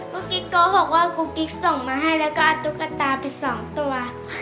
กิ๊กโก้บอกว่ากุ๊กกิ๊กส่งมาให้แล้วก็เอาตุ๊กตาไปสองตัว